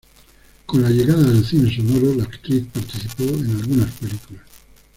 Con la llegada del cine sonoro, la actriz participó en algunas películas.